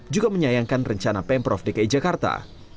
juga menyayangkan rencana pemprov dki jakarta